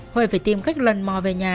huệ phải tìm cách lần mò về nhà